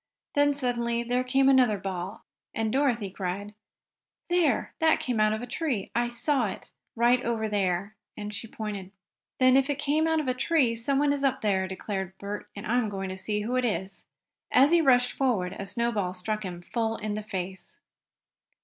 Then, suddenly there came another ball, and Dorothy cried: "There, that came out of a tree, for I saw it. Right over there," and she pointed. "Then if it came out of a tree someone is up the tree!" declared Bert, "and I'm going to see who it is." As he rushed forward a snowball struck him full in the face.